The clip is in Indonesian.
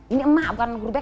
ini emak bukan guru beka